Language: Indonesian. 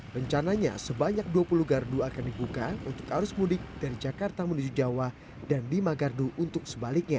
rencananya sebanyak dua puluh gardu akan dibuka untuk arus mudik dari jakarta menuju jawa dan lima gardu untuk sebaliknya